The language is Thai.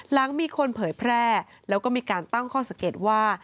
หลังมีคนเผยแพร่แล้วก็มีการตั้งข้อสังเกตว่า